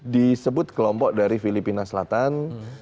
disebut kelompok dari filipina selatan